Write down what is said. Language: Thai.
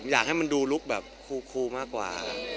อยากให้มันดูลุคแบบคูมากกว่า